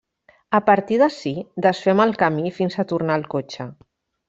A partir d'ací, desfem el camí fins a tornar al cotxe.